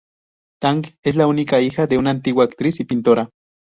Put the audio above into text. Tang es la única hija de una antigua actriz y pintora.